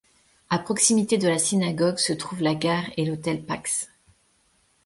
À proximité de la synagogue se trouvent la gare et l'Hôtel Pax.